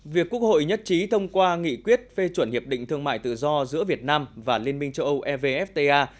việc quốc hội nhất trí thông qua nghị quyết phê chuẩn hiệp định thương mại tự do giữa việt nam và liên minh châu âu evfta